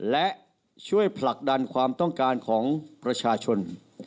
และช่วยผลักดันความต้องการของประชาชน